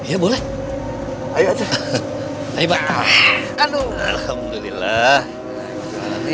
sebelum pulang bagaimana kalau kita minum minum dulu di belakang